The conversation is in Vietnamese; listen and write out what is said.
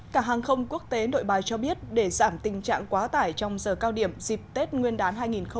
cảng hàng không quốc tế nội bài cho biết để giảm tình trạng quá tải trong giờ cao điểm dịp tết nguyên đán hai nghìn hai mươi